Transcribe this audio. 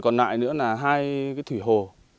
còn lại nữa là hai thủy hồ